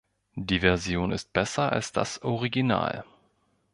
Die Version ist besser als das Original.